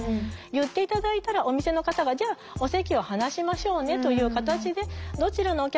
言って頂いたらお店の方がじゃあお席を離しましょうねという形でどちらのお客様も安心して利用できる。